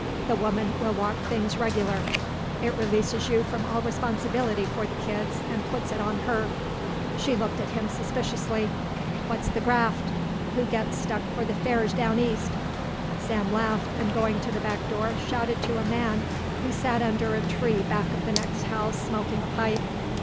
"The woman will want things regular. It releases you from all responsibility for the kids and puts it on her." She looked at him suspiciously. "What's the graft? Who gets stuck for the fares down east?" Sam laughed and going to the back door shouted to a man who sat under a tree back of the next house smoking a pipe.